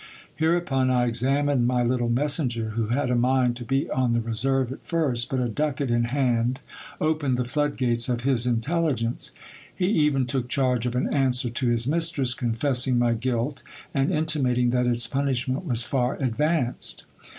Hereupon I examined my little messenger, who had a mind to be on the reserve at first, but a ducat in hand opened the floodgates of his intelligence. He even took charge of an answer to his mistress, confess ing my guilt, and intimating that its punishment was far advanced.